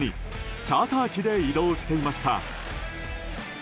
チャーター機で移動していました。